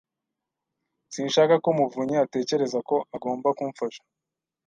Sinshaka ko Muvunnyi atekereza ko agomba kumfasha.